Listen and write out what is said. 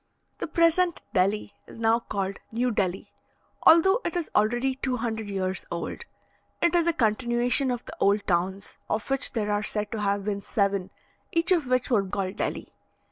The present Delhi is now called New Delhi, although it is already two hundred years old; it is a continuation of the old towns, of which there are said to have been seven, each of which were called Delhi.